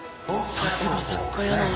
さすが作家やなあ。